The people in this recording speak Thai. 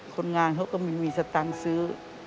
คนงานเขาก็ไม่มีสตังค์ซื้อ